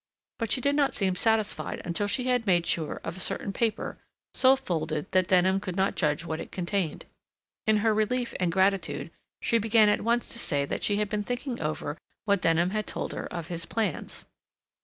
But she did not seem satisfied until she had made sure of a certain paper so folded that Denham could not judge what it contained. In her relief and gratitude she began at once to say that she had been thinking over what Denham had told her of his plans.